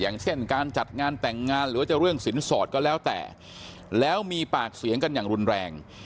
อย่างเช่นการจัดงานแต่งงานหรือว่าจะเรื่องสินสอดก็แล้วแต่แล้วมีปากเสียงกันอย่างรุนแรง